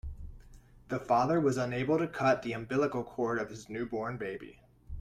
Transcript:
The father was unable to cut the umbilical cord of his newborn baby.